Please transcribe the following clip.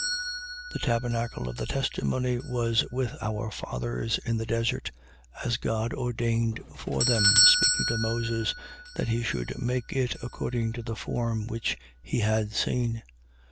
7:44. The tabernacle of the testimony was with our fathers in the desert, as God ordained for them, speaking to Moses, that he should make it according to the form which he had seen.